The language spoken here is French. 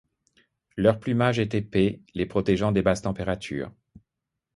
Leur plumage est épais, les protégeant des basses températures.